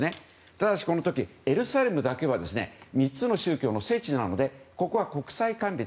ただし、この時エルサレムだけは３つの宗教の聖地なのでここは国際管理。